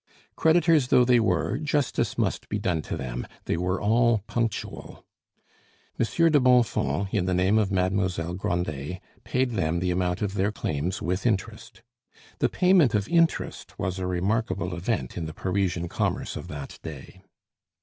Creditors though they were, justice must be done to them, they were all punctual. Monsieur de Bonfons, in the name of Mademoiselle Grandet, paid them the amount of their claims with interest. The payment of interest was a remarkable event in the Parisian commerce of that day.